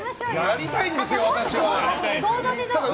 やりたいんですよ、私は。